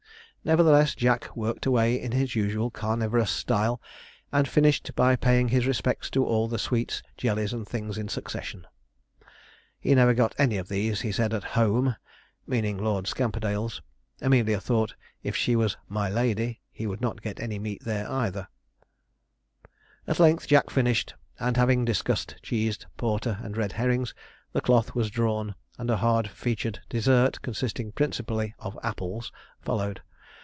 Nevertheless, Jack worked away in his usual carnivorous style, and finished by paying his respects to all the sweets, jellies, and things in succession. He never got any of these, he said, at 'home,' meaning at Lord Scamperdale's Amelia thought, if she was 'my lady,' he would not get any meat there either. [Illustration: ENTER MR. JACK SPRAGGON, FULL DRESS] At length Jack finished; and having discussed cheese, porter, and red herrings, the cloth was drawn, and a hard featured dessert, consisting principally of apples, followed.